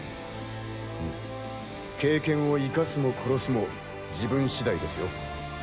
うん経験を活かすも殺すも自分次第ですよ。